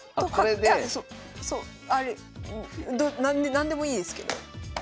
何でもいいですけど。